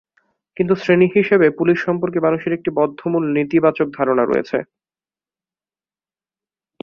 কিন্তু শ্রেণী হিসেবে পুলিশ সম্পর্কে মানুষের একটি বদ্ধমূল নেতিবাচক ধারণা রয়েছে।